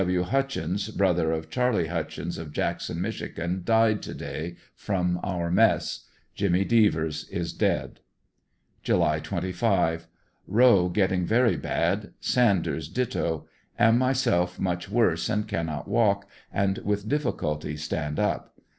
W. Hutchins, brother of Charlie Hutchins of Jackson, Mich., died to day — from our mess. Jimmy Devers is dead. July 25. — Rowe getting very bad. Sanders ditto. Am myself much worse, and cannot walk, and with difficulty stand up.